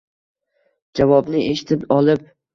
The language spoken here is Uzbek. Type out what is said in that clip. javobni eshitib olib